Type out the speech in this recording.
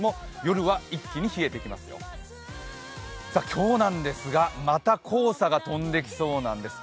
今日なんですが、また黄砂が飛んできそうなんです。